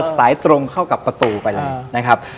สายตรงเข้ากับประตูไปเลยนะครับ